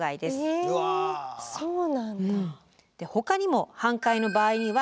えそうなんだ。